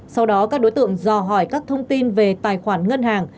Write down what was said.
sau đó các đối tượng dò hỏi các thông tin về tài khoản ngân hàng